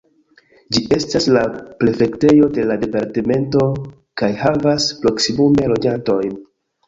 Ĝi estas la prefektejo de la departemento kaj havas proksimume loĝantojn.